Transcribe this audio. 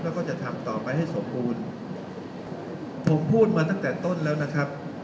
แล้วก็จะทำต่อไปให้สมบูรณ์ผมพูดมาตั้งแต่ต้นแล้วนะครับ